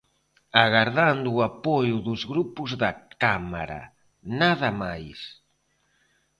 Agardando o apoio dos grupos da Cámara, nada máis.